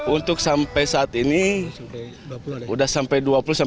untuk sampai saat ini sudah sampai dua puluh dua puluh lima